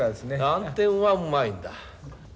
暗転はうまいんだ。